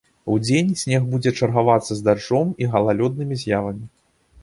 Удзень снег будзе чаргавацца з дажджом і галалёднымі з'явамі.